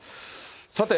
さて、